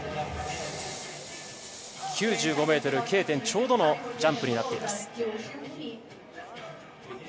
９５ｍ、Ｋ点ちょうどのジャンプになっています。